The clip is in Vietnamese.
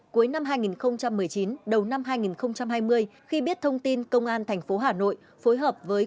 cuối năm hai nghìn một mươi chín đầu năm hai nghìn hai mươi khi biết thông tin công an tp hà nội phối hợp với